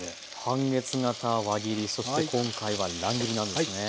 半月形輪切りそして今回は乱切りなんですね。